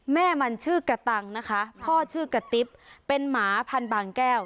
แม่มันชื่อกระตังนะคะพ่อชื่อกะติ๊บเป็นหมาพันบางแก้ว